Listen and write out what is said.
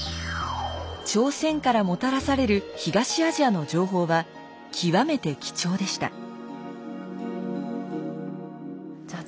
朝鮮からもたらされる東アジアの情報は極めて貴重でした。